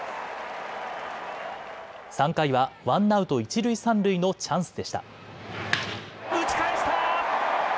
３回はワンアウト一塁三塁のチャンスでした。